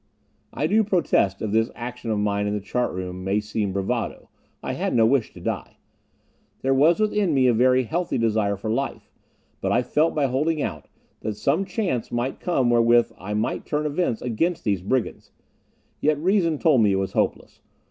I do protest if this action of mine in the chart room may seem bravado. I had no wish to die. There was within me a very healthy desire for life. But I felt, by holding out, that some chance might come wherewith I might turn events against these brigands. Yet reason told me it was hopeless.